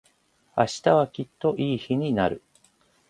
明日はきっといい日になる。